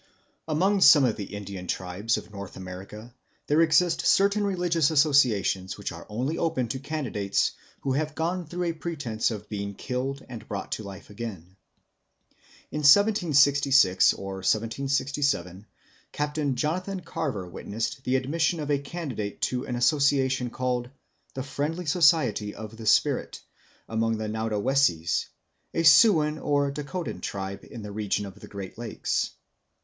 Among some of the Indian tribes of North America there exist certain religious associations which are only open to candidates who have gone through a pretence of being killed and brought to life again. In 1766 or 1767 Captain Jonathan Carver witnessed the admission of a candidate to an association called "the friendly society of the Spirit" (Wakon Kitchewah) among the Naudowessies, a Siouan or Dacotan tribe in the region of the great lakes.